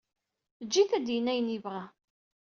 Ejj-it ad d-yini ayen yebɣa.